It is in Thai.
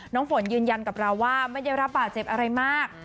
ฝนยืนยันกับเราว่าไม่ได้รับบาดเจ็บอะไรมาก